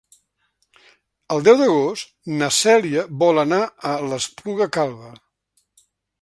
El deu d'agost na Cèlia vol anar a l'Espluga Calba.